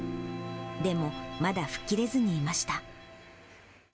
でも、まだ吹っ切れずにいました。